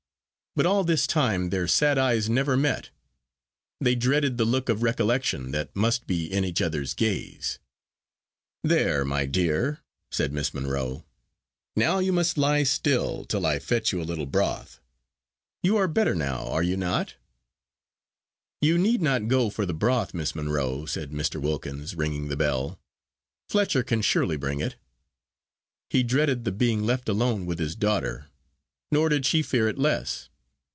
But all this time their sad eyes never met they dreaded the look of recollection that must be in each other's gaze. "There, my dear!" said Miss Monro. "Now you must lie still till I fetch you a little broth. You are better now, are not you?" "You need not go for the broth, Miss Monro," said Mr. Wilkins, ringing the bell. "Fletcher can surely bring it." He dreaded the being left alone with his daughter nor did she fear it less.